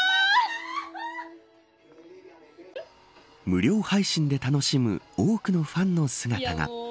無料配信で楽しむ多くのファンの姿が。